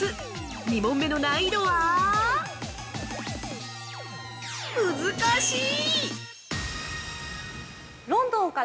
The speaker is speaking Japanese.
２問目の難易度は、むずかしい！